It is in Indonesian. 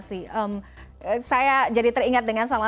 di mana faktor komitmennya